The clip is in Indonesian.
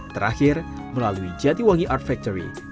terakhir melalui jatiwangi art factory